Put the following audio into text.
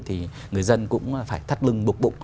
thì người dân cũng phải thắt lưng bụng bụng